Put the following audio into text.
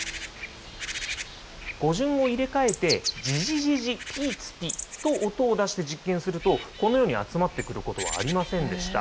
語順を入れ替えて、ヂヂヂヂピーツピと音を出して実験すると、このように集まってくることはありませんでした。